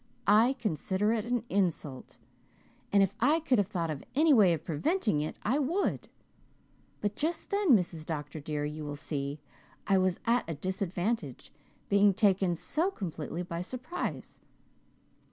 I consider it an insult and if I could have thought of any way of preventing it I would. But just then, Mrs. Dr. dear, you will see I was at a disadvantage, being taken so completely by surprise.